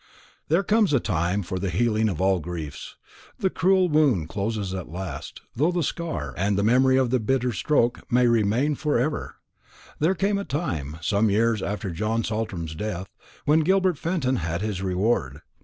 There comes a time for the healing of all griefs. The cruel wound closes at last, though the scar, and the bitter memory of the stroke, may remain for ever. There came a time some years after John Saltram's death when Gilbert Fenton had his reward.